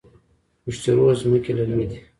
پشت رود ځمکې للمي دي؟